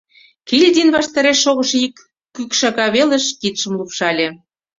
Кильдин ваштареш шогышо ик кӱкшака велыш кидшым лупшале.